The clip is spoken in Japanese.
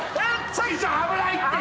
師匠危ないって。